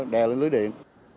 đè lên lưới điện